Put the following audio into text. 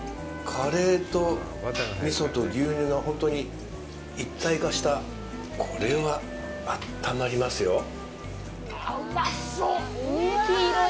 カレーと味噌と牛乳が本当に一体化したこれは、あったまりますよ。